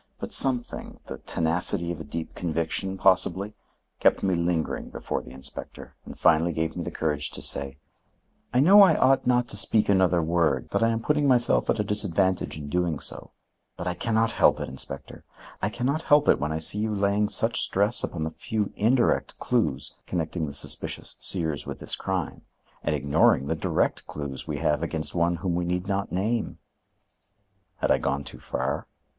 But something—the tenacity of a deep conviction, possibly—kept me lingering before the inspector and finally gave me the courage to say: "I know I ought not to speak another word; that I am putting myself at a disadvantage in doing so; but I can not help it, Inspector; I can not help it when I see you laying such stress upon the few indirect clues connecting the suspicious Sears with this crime, and ignoring the direct clues we have against one whom we need not name." Had I gone too far?